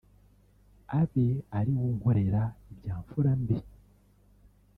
abe ariwe unkorera ibya mfura mbi